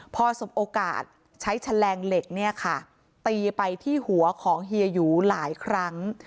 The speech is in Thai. พอสมโอกาสใช้แฉลงเหล็กเนี่ยค่ะตีไปที่หัวของเฮียหยูหลายครั้ง